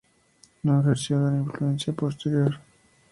No ejerció gran influencia posterior.